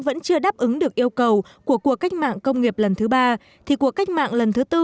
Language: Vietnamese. vẫn chưa đáp ứng được yêu cầu của cuộc cách mạng công nghiệp lần thứ ba thì cuộc cách mạng lần thứ tư